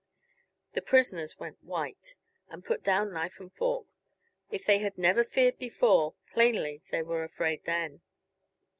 The prisoners went white, and put down knife and fork. If they had never feared before, plainly they were afraid then.